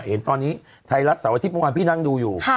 เห็นตอนนี้ไทยรัฐเสาร์อาทิตย์เมื่อวานพี่นั่งดูอยู่